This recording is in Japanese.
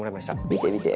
見て見て！